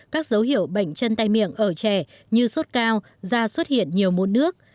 các dấu hiệu bệnh chân tay miệng ở trẻ như sốt cao da xuất hiện nhiều mún nước